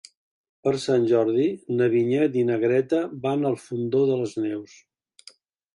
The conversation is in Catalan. Per Sant Jordi na Vinyet i na Greta van al Fondó de les Neus.